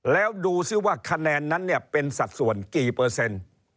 แล้วดูซิว่าคะแนนนั้นเนี่ยเป็นสัดส่วนกี่เปอร์เซ็นต์